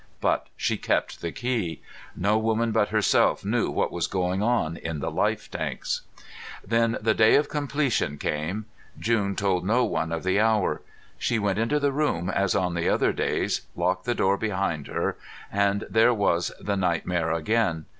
But she kept the key. No woman but herself knew what was going on in the life tanks. Then the day of completion came. June told no one of the hour. She went into the room as on the other days, locked the door behind her, and there was the nightmare again.